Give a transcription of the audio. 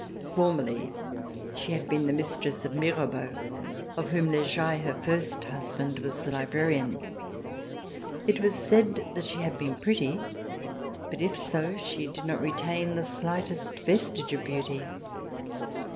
Formerly she had been the mistress of Mirabeau, of whom Lejai, her first husband, was the librarian. It was said that she had been pretty, but If so she did not retain the slightest vestige of beauty.